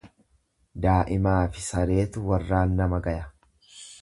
Daa'imaafi sareetu warraan nama gaya.